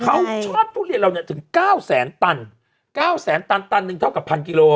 เขาชอบทุเรียนเราเนี่ยถึงเก้าแสนตันเก้าแสนตันตันหนึ่งเท่ากับพันกิโล